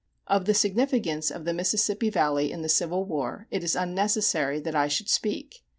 Of the significance of the Mississippi Valley in the Civil War, it is unnecessary that I should speak.